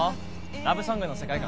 ラブソングの世界観